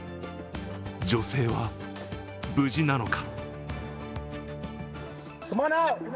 女性は無事なのか？